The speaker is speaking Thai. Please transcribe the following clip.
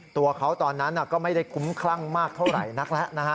ตัวเขาตอนนั้นก็ไม่ได้คุ้มคลั่งมากเท่าไหร่นักแล้วนะฮะ